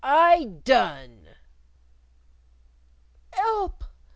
I done!!!" "'Elp!"